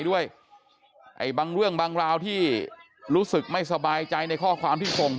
ด้วยไอ้บางเรื่องบางราวที่รู้สึกไม่สบายใจในข้อความที่ส่ง